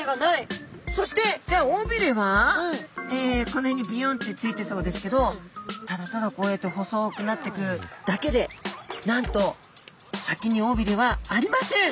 この辺にビヨンってついてそうですけどただただこうやって細くなっていくだけでなんと先におびれはありません。